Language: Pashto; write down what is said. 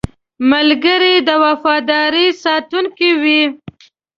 ملګری د وفادارۍ ساتونکی وي